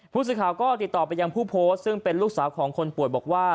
ผู้สื่อข่าวก็ติดต่อไปยังผู้โพสต์ซึ่งเป็นลูกสาวของคนป่วยบอกว่า